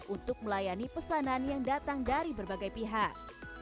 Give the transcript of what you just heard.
untuk melayani pesanan yang datang dari berbagai pihak